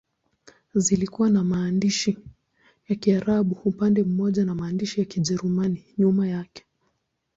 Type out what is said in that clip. Zilikuwa na maandishi ya Kiarabu upande mmoja na maandishi ya Kijerumani nyuma yake.